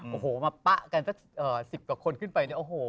โอ้โหมาปะกันสัก๑๐กว่าคนขึ้นไปเนี่ยโอ้โห